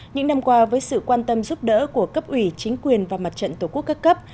những năm qua với sự quan tâm giúp đỡ của cấp ủy chính quyền và mặt trận tổ quốc các cấp